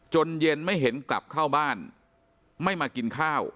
เย็นไม่เห็นกลับเข้าบ้านไม่มากินข้าว